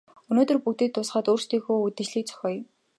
Өнөөдөр бүгдийг дуусгаад өөрсдийнхөө үдэшлэгийг зохиоё.